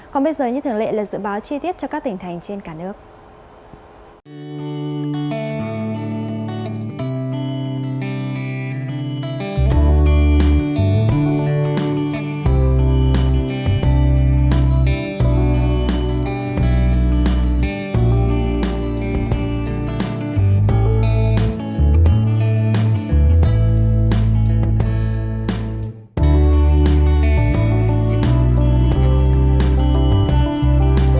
còn bây giờ như thường lệ là dự báo chi tiết cho các tỉnh thành trên cả nước